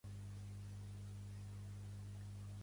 Primer, el raig de la bomba bomba un punt en el medi actiu.